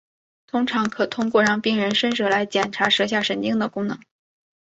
通常可通过让病人伸舌来检查舌下神经的功能。